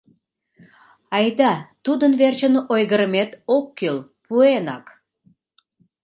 Айда, тудын верчын ойгырымет ок кӱл, пуэнак.